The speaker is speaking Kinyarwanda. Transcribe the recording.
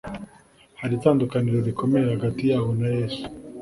. Hari itandukaniro rikomeye hagati yabo na Yesu